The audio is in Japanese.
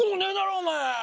お前。